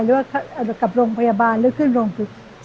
หรือว่ากับโรงพยาบาลหรือขึ้นโรงพัก